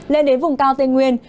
lên đến vùng cao tây nguyên